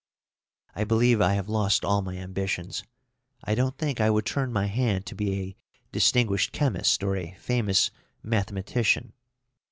I believe I have lost all my ambitions. I don't think I would turn my hand to be a distinguished chemist or a famous mathematician.